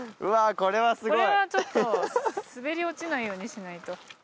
これはちょっと滑り落ちないようにしないと。